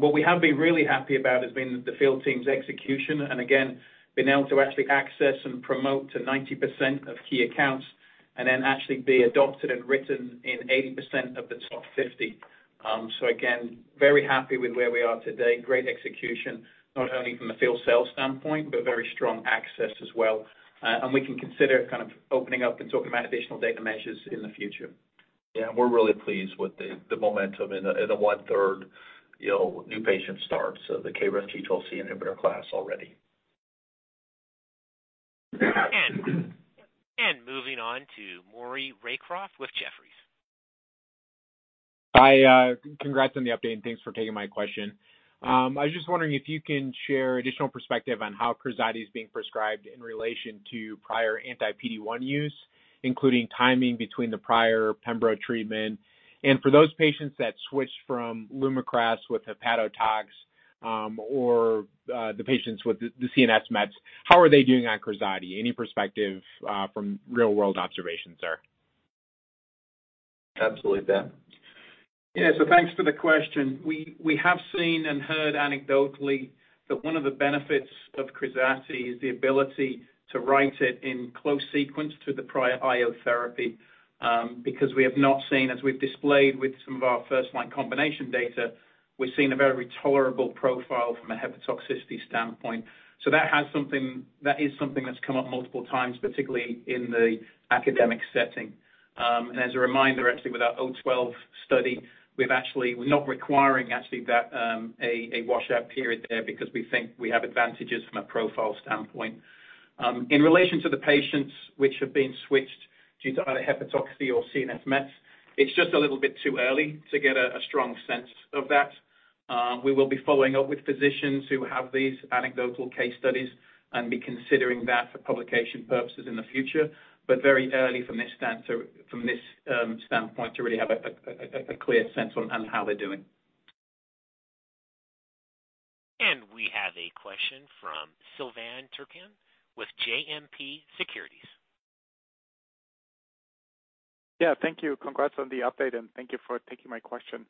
What we have been really happy about has been the field team's execution and again, being able to actually access and promote to 90% of key accounts and then actually be adopted and written in 80% of the top 50. Again, very happy with where we are today. Great execution, not only from a field sales standpoint, but very strong access as well. We can consider kind of opening up and talking about additional data measures in the future.
Yeah, we're really pleased with the momentum in the, in the one-third, you know, new patient starts of the KRAS G12C inhibitor class already.
Moving on to Maury Raycroft with Jefferies.
Hi, congrats on the update, and thanks for taking my question. I was just wondering if you can share additional perspective on how KRAZATI is being prescribed in relation to prior anti-PD-1 use, including timing between the prior pembro treatment? For those patients that switched from Lumakras with hepatotox, or the patients with the CNS meds, how are they doing on KRAZATI? Any perspective from real-world observations there?
Absolutely.
Yeah. Thanks for the question. We have seen and heard anecdotally that one of the benefits of KRAZATI is the ability to write it in close sequence to the prior IO therapy, because we have not seen, as we've displayed with some of our first-line combination data, we've seen a very tolerable profile from a hepatotoxicity standpoint. That is something that's come up multiple times, particularly in the academic setting. As a reminder, actually, with our O 12 study, we're not requiring actually that a washout period there because we think we have advantages from a profile standpoint. In relation to the patients which have been switched due to either hepatotoxicity or CNS meds, it's just a little bit too early to get a strong sense of that. We will be following up with physicians who have these anecdotal case studies and be considering that for publication purposes in the future. Very early from this standpoint to really have a clear sense on how they're doing.
We have a question from Silvan Türkcan with JMP Securities.
Yeah, thank you. Congrats on the update. Thank you for taking my question.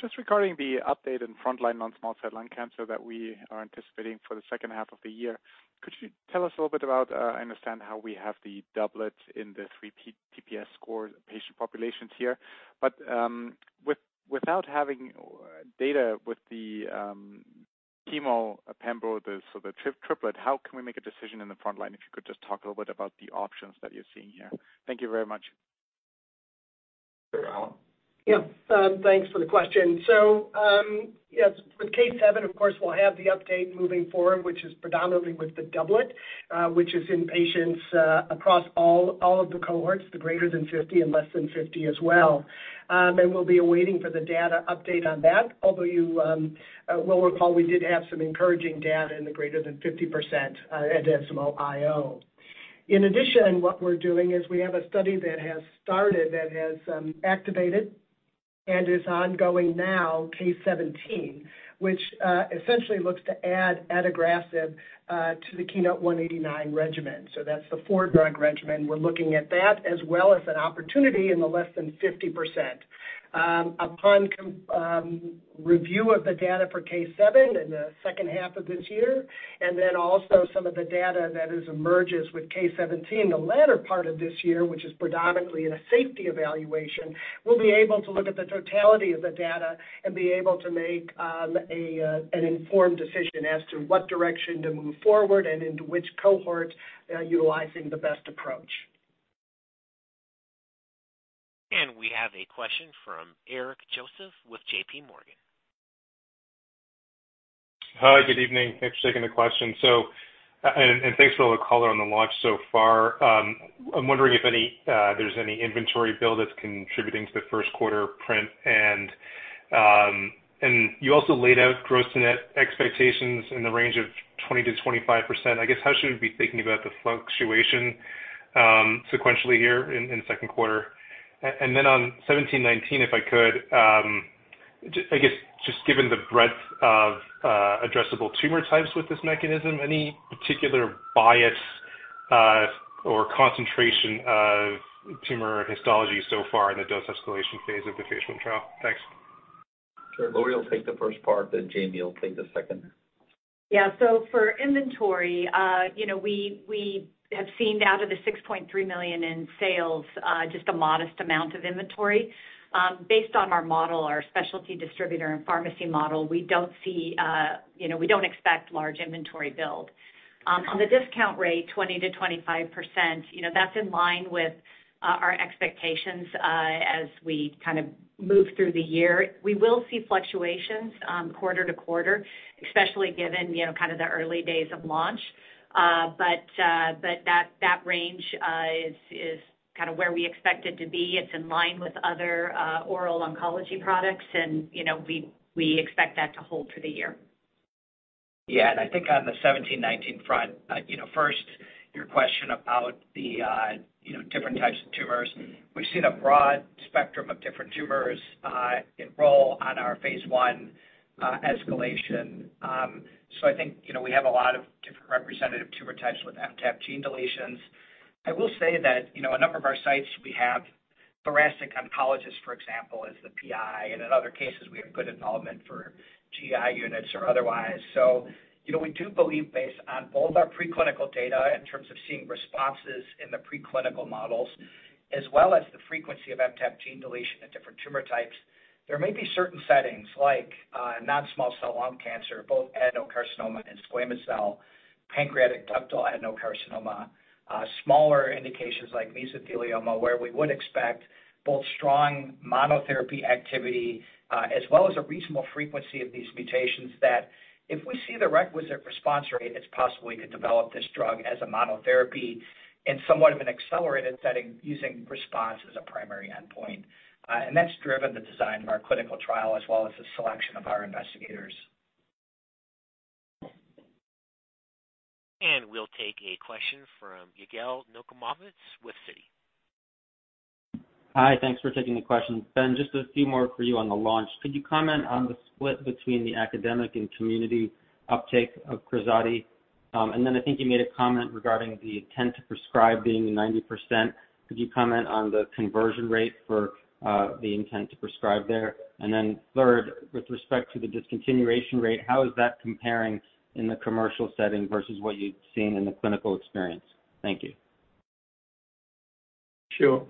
Just regarding the update in frontline non-small cell lung cancer that we are anticipating for the second half of the year, could you tell us a little bit about, I understand how we have the doublet in the three TPS score patient populations here, but without having data with the chemo pembro, the triplet, how can we make a decision in the front line? If you could just talk a little bit about the options that you're seeing here. Thank you very much.
Alan?
Yeah. Thanks for the question. Yes, with KRYSTAL-7, of course, we'll have the update moving forward, which is predominantly with the doublet, which is in patients across all of the cohorts, the greater than 50 and less than 50 as well. We'll be awaiting for the data update on that. Although you will recall we did have some encouraging data in the greater than 50% at ASCO. In addition, what we're doing is we have a study that has started, that has activated and is ongoing now, KRYSTAL-17, which essentially looks to add adagrasib to the KEYNOTE-189 regimen. That's the four-drug regimen. We're looking at that as well as an opportunity in the less than 50%. Upon review of the data for KRYSTAL-7 in the second half of this year and then also some of the data that emerges with KRYSTAL-17 the latter part of this year, which is predominantly in a safety evaluation, we'll be able to look at the totality of the data and be able to make an informed decision as to what direction to move forward and into which cohort, utilizing the best approach.
We have a question from Eric Joseph with J.P. Morgan.
Hi. Good evening. Thanks for taking the question. Thanks for the call on the launch so far. I'm wondering if any there's any inventory build that's contributing to the first quarter print. You also laid out gross to net expectations in the range of 20%-25%. I guess, how should we be thinking about the fluctuation, sequentially here in the second quarter? Then on MRTX1719, if I could, I guess, just given the breadth of addressable tumor types with this mechanism, any particular bias or concentration of tumor histology so far in the dose escalation phase of the phase I trial? Thanks.
Sure. Laurie will take the first part, then Jamie will take the second.
For inventory, you know, we have seen out of the $6.3 million in sales, just a modest amount of inventory. Based on our model, our specialty distributor and pharmacy model, we don't see, you know, we don't expect large inventory build. On the discount rate, 20%-25%, you know, that's in line with our expectations as we kind of move through the year. We will see fluctuations quarter-to-quarter, especially given, you know, kind of the early days of launch. That range is kind of where we expect it to be. It's in line with other oral oncology products and, you know, we expect that to hold for the year.
Yeah. I think on the MRTX1719 front, you know, first, your question about the, you know, different types of tumors. We've seen a broad spectrum of different tumors enroll on our phase I escalation. I think, you know, we have a lot of different representative tumor types with MTAP gene deletions. I will say that, you know, a number of our sites, we have thoracic oncologists, for example, as the PI, and in other cases, we have good enrollment for GI units or otherwise. You know, we do believe based on both our preclinical data in terms of seeing responses in the preclinical models, as well as the frequency of MTAP gene deletion at different tumor types, there may be certain settings like non-small cell lung cancer, both adenocarcinoma and squamous cell, pancreatic ductal adenocarcinoma, smaller indications like mesothelioma, where we would expect both strong monotherapy activity, as well as a reasonable frequency of these mutations, that if we see the requisite response rate, it's possible we could develop this drug as a monotherapy in somewhat of an accelerated setting using response as a primary endpoint. That's driven the design of our clinical trial as well as the selection of our investigators.
We'll take a question from Yigal Nochomovitz with Citi.
Hi. Thanks for taking the question. Ben, just a few more for you on the launch. Could you comment on the split between the academic and community uptake of KRAZATI? I think you made a comment regarding the intent to prescribe being 90%. Could you comment on the conversion rate for the intent to prescribe there? Third, with respect to the discontinuation rate, how is that comparing in the commercial setting versus what you've seen in the clinical experience? Thank you.
Sure.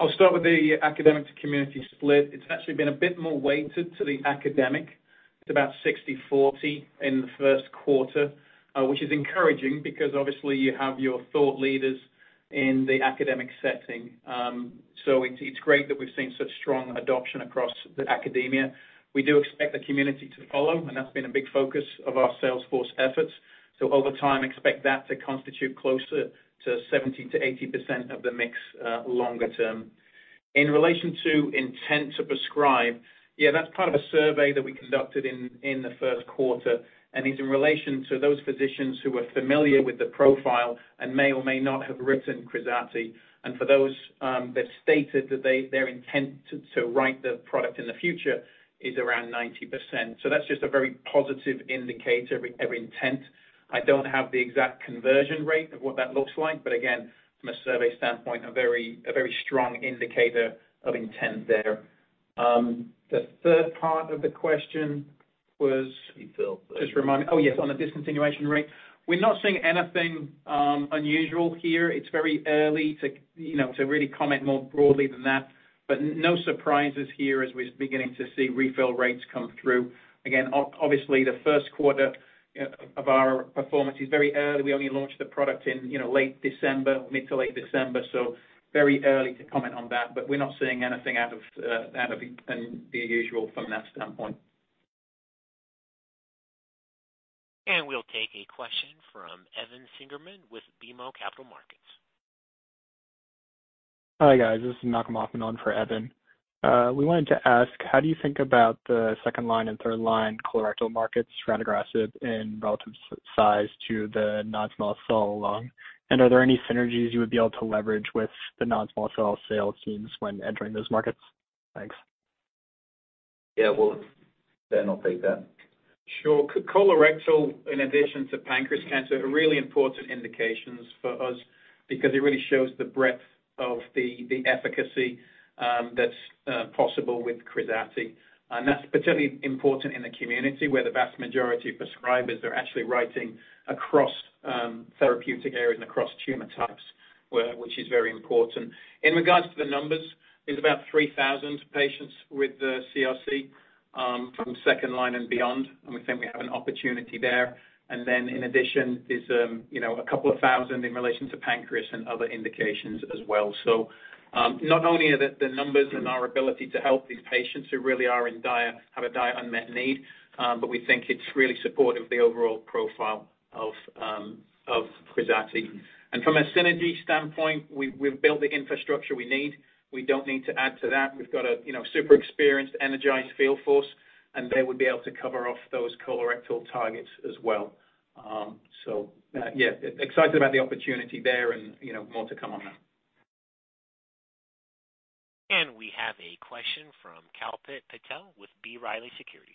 I'll start with the academic to community split. It's actually been a bit more weighted to the academic. It's about 60/40 in the first quarter, which is encouraging because obviously you have your thought leaders in the academic setting. It's great that we've seen such strong adoption across the academia. We do expect the community to follow, and that's been a big focus of our sales force efforts. Over time, expect that to constitute closer to 70%-80% of the mix, longer term. In relation to intent to prescribe, yeah, that's part of a survey that we conducted in the first quarter, and is in relation to those physicians who are familiar with the profile and may or may not have written KRAZATI. For those, that stated that their intent to write the product in the future is around 90%. That's just a very positive indicator of intent. I don't have the exact conversion rate of what that looks like, but again, from a survey standpoint, a very strong indicator of intent there. The third part of the question was...
Refill.
Just remind me. Oh, yes, on the discontinuation rate. We're not seeing anything unusual here. It's very early to, you know, to really comment more broadly than that. No surprises here as we're beginning to see refill rates come through. Again, obviously, the first quarter of our performance is very early. We only launched the product in, you know, late December, mid to late December, so very early to comment on that. We're not seeing anything out of, out of the usual from that standpoint.
We'll take a question from Evan Seigerman with BMO Capital Markets.
Hi, guys. This is [AUDIO DISTORTION] on for Evan. We wanted to ask, how do you think about the second line and third line colorectal markets, rather aggressive in relative size to the non-small cell lung? Are there any synergies you would be able to leverage with the non-small cell sales teams when entering those markets? Thanks.
Yeah. Well, Ben will take that.
Sure. Colorectal, in addition to pancreas cancer, are really important indications for us because it really shows the breadth of the efficacy that's possible with KRAZATI. That's particularly important in the community where the vast majority of prescribers are actually writing across therapeutic areas and across tumor types, which is very important. In regards to the numbers, there's about 3,000 patients with the CRC from second line and beyond, we think we have an opportunity there. In addition, there's, you know, 2,000 in relation to pancreas and other indications as well. Not only are the numbers and our ability to help these patients who really have a dire unmet need, but we think it's really supportive of the overall profile of KRAZATI. From a synergy standpoint, we've built the infrastructure we need. We don't need to add to that. We've got a, you know, super experienced, energized field force, and they would be able to cover off those colorectal targets as well. Yeah, excited about the opportunity there and, you know, more to come on that.
We have a question from Kalpit Patel with B. Riley Securities.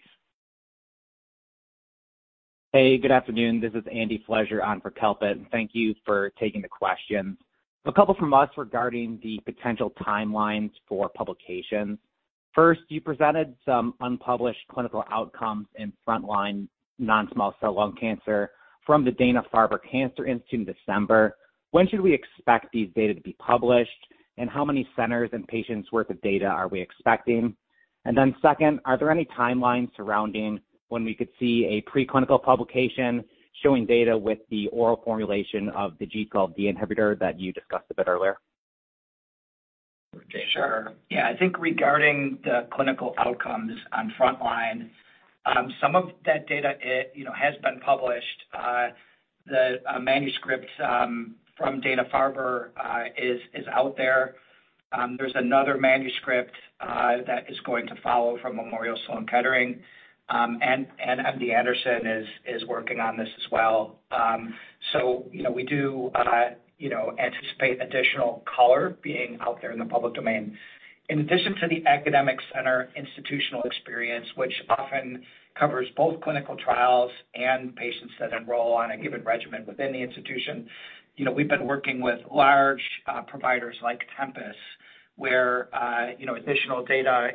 Hey, good afternoon. This is Andy Fleszar on for Kalpit. Thank you for taking the questions. A couple from us regarding the potential timelines for publication. First, you presented some unpublished clinical outcomes in front line non-small cell lung cancer from the Dana-Farber Cancer Institute in December. When should we expect these data to be published? How many centers and patients worth of data are we expecting? Second, are there any timelines surrounding when we could see a preclinical publication showing data with the oral formulation of the G12D inhibitor that you discussed a bit earlier?
Sure. Yeah. I think regarding the clinical outcomes on frontline, some of that data you know, has been published. The manuscript from Dana-Farber is out there. There's another manuscript that is going to follow from Memorial Sloan Kettering, and MD Anderson is working on this as well. You know, we do, you know, anticipate additional color being out there in the public domain. In addition to the academic center institutional experience, which often covers both clinical trials and patients that enroll on a given regimen within the institution, you know, we've been working with large providers like Tempus, where, you know, additional data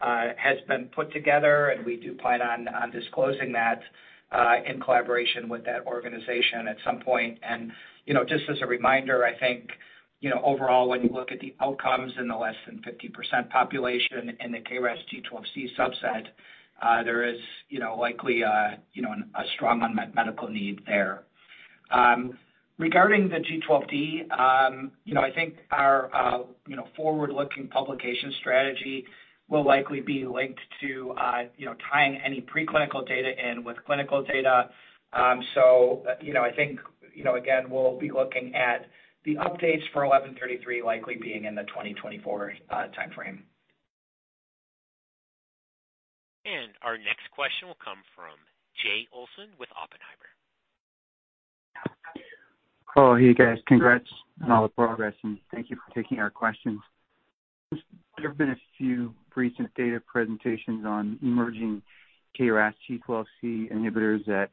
has been put together, and we do plan on disclosing that in collaboration with that organization at some point. You know, just as a reminder, I think, you know, overall, when you look at the outcomes in the less than 50% population in the KRAS G12C subset, there is, you know, likely, you know, a strong unmet medical need there. Regarding the G12D, you know, I think our, you know, forward-looking publication strategy will likely be linked to, you know, tying any preclinical data in with clinical data. You know, I think, you know, again, we'll be looking at the updates for MRTX1133 likely being in the 2024 timeframe.
Our next question will come from Jay Olson with Oppenheimer.
Oh, hey, guys. Congrats on all the progress. Thank you for taking our questions. There have been a few recent data presentations on emerging KRAS G12C inhibitors at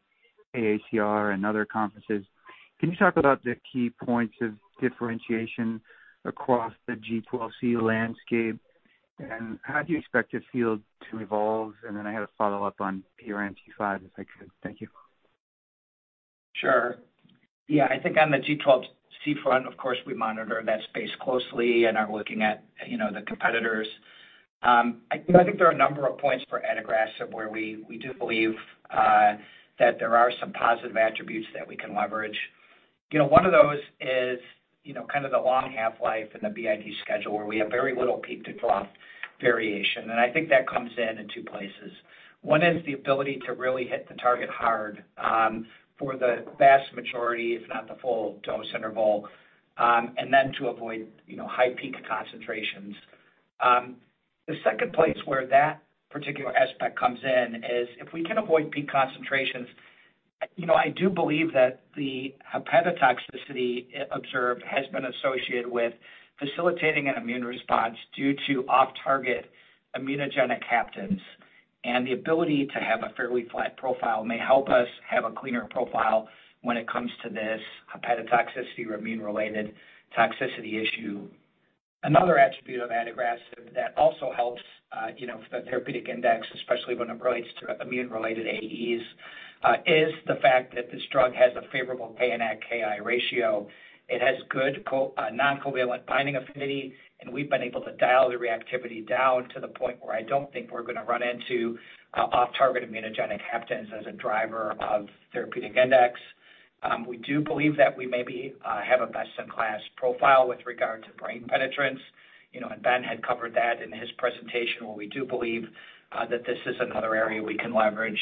AACR and other conferences. Can you talk about the key points of differentiation across the G12C landscape, how do you expect this field to evolve? Then I had a follow-up on PRMT5, if I could. Thank you.
Sure. Yeah. I think on the G12C front, of course, we monitor that space closely and are looking at, you know, the competitors. I, you know, I think there are a number of points for adagrasib where we do believe that there are some positive attributes that we can leverage. You know, one of those is, you know, kind of the long half-life in the BID schedule, where we have very little peak to trough variation. I think that comes in two places. One is the ability to really hit the target hard for the vast majority, if not the full dose interval, and then to avoid, you know, high peak concentrations. The second place where that particular aspect comes in is if we can avoid peak concentrations, you know, I do believe that the hepatotoxicity observed has been associated with facilitating an immune response due to off-target immunogenic haptens. The ability to have a fairly flat profile may help us have a cleaner profile when it comes to this hepatotoxicity or immune-related toxicity issue. Another attribute of adagrasib that also helps, you know, the therapeutic index, especially when it relates to immune-related AEs, is the fact that this drug has a favorable PAN-AC-KI ratio. It has good non-covalent binding affinity, and we've been able to dial the reactivity down to the point where I don't think we're gonna run into off-target immunogenic haptens as a driver of therapeutic index. We do believe that we maybe have a best-in-class profile with regard to brain penetrance. You know, Ben had covered that in his presentation, where we do believe that this is another area we can leverage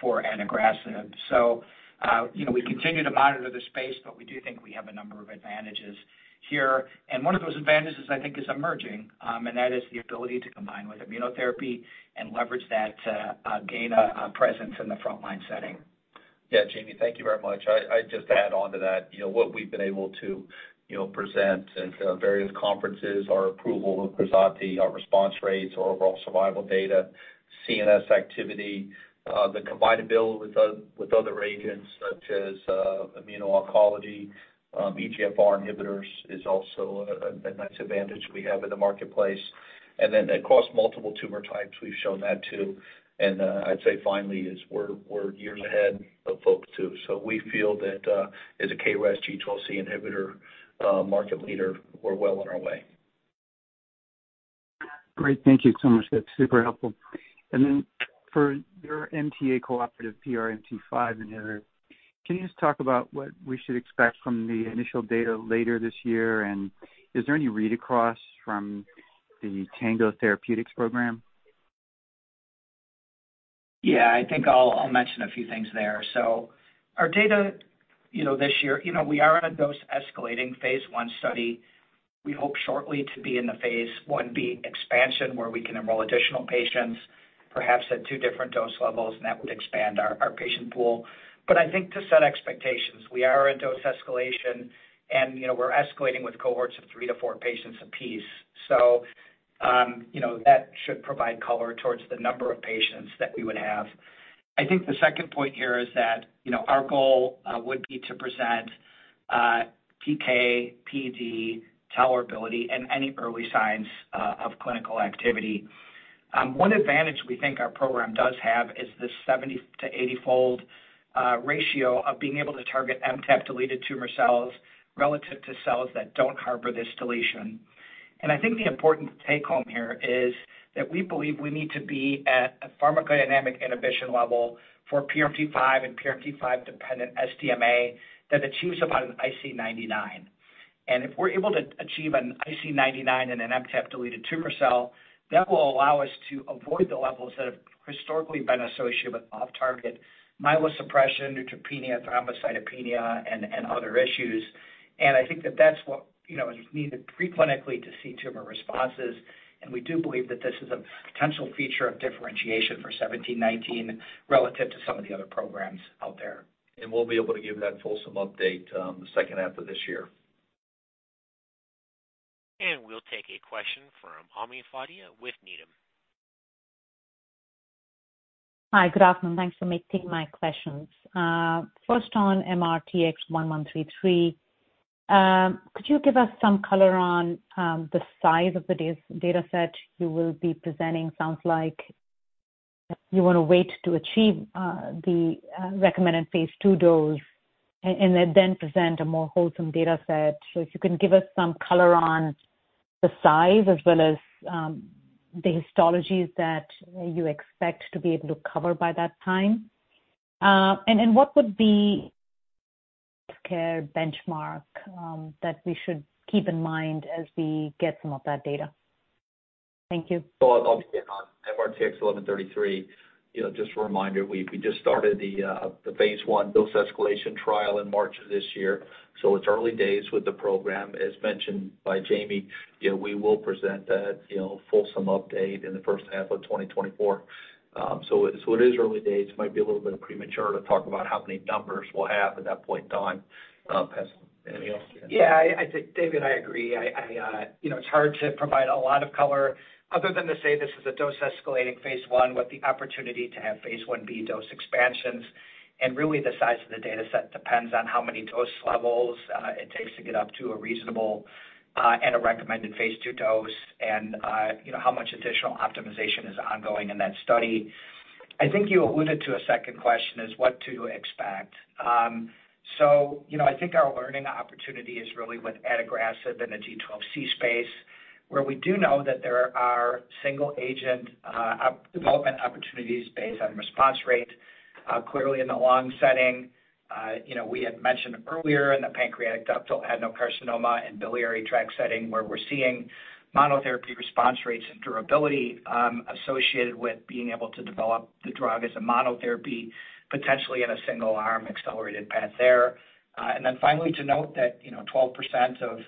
for adagrasib. You know, we continue to monitor the space, but we do think we have a number of advantages here. One of those advantages I think is emerging, and that is the ability to combine with immunotherapy and leverage that to gain a presence in the frontline setting.
Yeah. Jamie, thank you very much. I just add on to that, you know, what we've been able to, you know, present at various conferences are approval of KRAZATI, our response rates, our overall survival data, CNS activity. The combinability with other agents such as immuno-oncology, EGFR inhibitors is also a nice advantage we have in the marketplace. Across multiple tumor types, we've shown that too. I'd say finally is we're years ahead of folks too. We feel that as a KRAS G12C inhibitor, market leader, we're well on our way.
Great. Thank you so much. That's super helpful. Then for your MTA-cooperative PRMT5 inhibitor, can you just talk about what we should expect from the initial data later this year? Is there any read across from the Tango Therapeutics program?
Yeah. I think I'll mention a few things there. Our data. You know, this year, you know, we are in a dose-escalating phase I study. We hope shortly to be in the phase I-B expansion, where we can enroll additional patients, perhaps at two different dose levels, and that would expand our patient pool. I think to set expectations, we are in dose escalation and, you know, we're escalating with cohorts of three-four patients a piece. You know, that should provide color towards the number of patients that we would have. I think the second point here is that, you know, our goal would be to present PK/PD tolerability and any early signs of clinical activity. One advantage we think our program does have is the 70-80-fold ratio of being able to target MTAP-deleted tumor cells relative to cells that don't harbor this deletion. I think the important take-home here is that we believe we need to be at a pharmacodynamic inhibition level for PRMT5 and PRMT5-dependent SDMA that achieves about an IC99. If we're able to achieve an IC99 in an MTAP-deleted tumor cell, that will allow us to avoid the levels that have historically been associated with off-target myelosuppression, neutropenia, thrombocytopenia, and other issues. I think that that's what, you know, is needed pre-clinically to see tumor responses. We do believe that this is a potential feature of differentiation for MRTX1719 relative to some of the other programs out there.
We'll be able to give that fulsome update, the second half of this year.
We'll take a question from Ami Fadia with Needham.
Hi. Good afternoon. Thanks for taking my questions. First on MRTX1133, could you give us some color on the size of the data set you will be presenting, as well as the histologies that you expect to be able to cover by that time? Sounds like you wanna wait to achieve the recommended phase II dose and then present a more wholesome data set. What would be the care benchmark that we should keep in mind as we get some of that data? Thank you.
Obviously on MRTX1133, you know, just a reminder, we just started the phase I dose escalation trial in March of this year, so it's early days with the program. As mentioned by Jamie, you know, we will present that, you know, fulsome update in the first half of 2024. It is early days. Might be a little bit premature to talk about how many numbers we'll have at that point in time. Pass, anything else to add?
Yeah. I think, David, I agree. I, you know, it's hard to provide a lot of color other than to say this is a dose-escalating phase I with the opportunity to have phase I-B dose expansions. Really the size of the data set depends on how many dose levels, it takes to get up to a reasonable, and a recommended phase II dose and, you know, how much additional optimization is ongoing in that study. I think you alluded to a second question, is what to expect. You know, I think our learning opportunity is really with adagrasib in the G12C space, where we do know that there are single-agent, development opportunities based on response rate, clearly in the lung setting. You know, we had mentioned earlier in the pancreatic ductal adenocarcinoma and biliary tract setting, where we're seeing monotherapy response rates and durability, associated with being able to develop the drug as a monotherapy, potentially in a single-arm accelerated path there. Finally to note that, you know, 12% of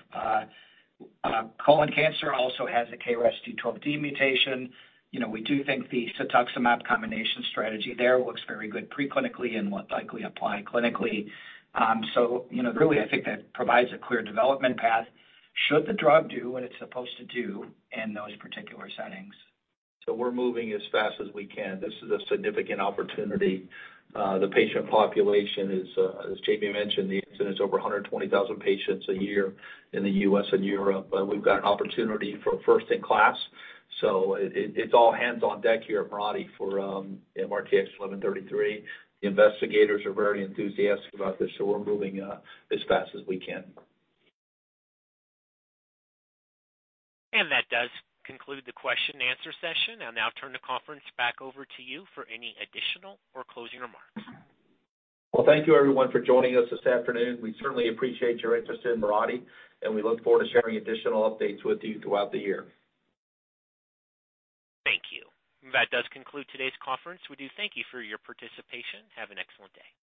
colon cancer also has a KRAS G12D mutation. You know, we do think the cetuximab combination strategy there looks very good pre-clinically and will likely apply clinically. You know, really, I think that provides a clear development path should the drug do what it's supposed to do in those particular settings.
We're moving as fast as we can. This is a significant opportunity. The patient population is, as Jamie mentioned, the incidence over 120,000 patients a year in the U.S. and Europe. We've got an opportunity for first in class. It's all hands on deck here at Mirati for MRTX1133. The investigators are very enthusiastic about this. We're moving as fast as we can.
That does conclude the question and answer session. I'll now turn the conference back over to you for any additional or closing remarks.
Well, thank you everyone for joining us this afternoon. We certainly appreciate your interest in Mirati, and we look forward to sharing additional updates with you throughout the year.
Thank you. That does conclude today's conference. We do thank you for your participation. Have an excellent day.